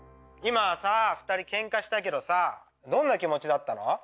今さ２人ケンカしたけどさどんな気持ちだったの？